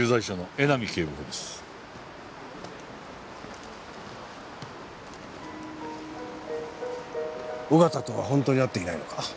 緒方とは本当に会っていないのか？